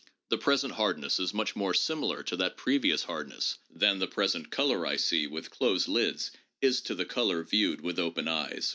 The present hardness is much more similar to that previous hardness than the present color I see with closed lids is to the color viewed with open eyes.